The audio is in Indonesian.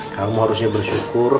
kamu harusnya bersyukur